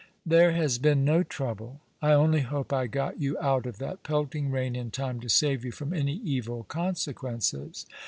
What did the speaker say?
" There has been no trouble. I only hope I got you out of that pelting rain in time to save you from any evil conse quences.